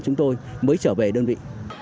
chúng tôi mới trở về đơn vị